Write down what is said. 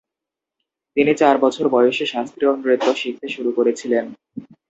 তিনি চার বছর বয়সে শাস্ত্রীয় নৃত্য শিখতে শুরু করেছিলেন।